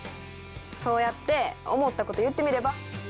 そうやって思ったこと言ってみれば？